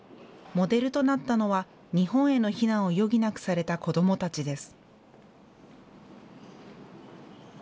モデルとなったのは日本への避難を余儀なくされた子どもたちです。